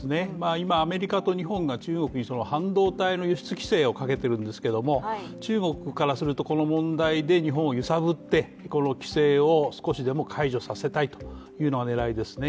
今、アメリカと日本が中国に半導体の輸出規制をかけているんですけど、中国からするとこの問題で日本を揺さぶって規制を少しでも解除させたいというのが狙いですね。